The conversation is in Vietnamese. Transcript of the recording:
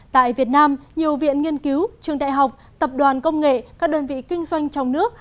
tại việt nam nhiều viện nghiên cứu trường đại học tập đoàn công nghệ các đơn vị kinh doanh trong nước